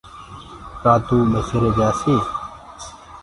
ڪآ تو ٻسيري جآسي؟